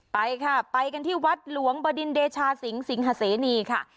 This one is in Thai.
ไปค่ะไปกันที่วัดหลวงบดินเดชาสิงสิงหาเสนีค่ะ